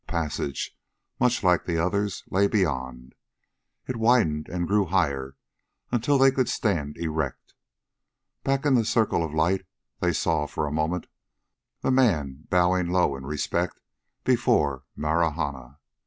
A passage, much like the others, lay beyond. It widened and grew higher, until they could stand erect. Back in the circle of light they saw, for a moment, the man, bowing low in respect before Marahna.